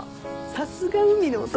さすが海の男。